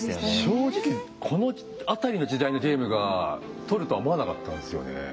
正直この辺りの時代のゲームがとるとは思わなかったんですよね。